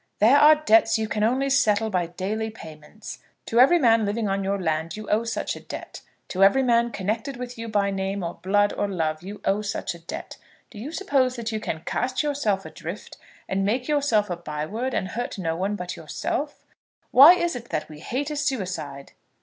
"There are debts you can only settle by daily payments. To every man living on your land you owe such a debt. To every friend connected with you by name, or blood, or love, you owe such a debt. Do you suppose that you can cast yourself adrift, and make yourself a by word, and hurt no one but yourself? Why is it that we hate a suicide?"